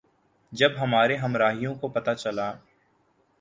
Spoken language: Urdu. جب ہمارے ہمراہیوں کو پتہ چلا